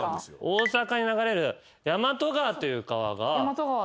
大阪に流れる大和川という川。